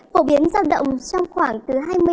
phổ biến giao động trong khoảng từ hai mươi năm